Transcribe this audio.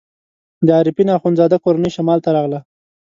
د عارفین اخندزاده کورنۍ شمال ته راغله.